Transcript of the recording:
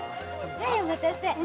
はいお待たせ。